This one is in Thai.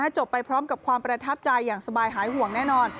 จบไปพร้อมกับความประทับใจอย่างสบายหายห่วงแน่นอน